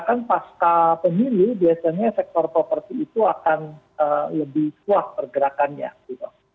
kan pasca pemilu biasanya sektor properti itu akan lebih kuat pergerakannya gitu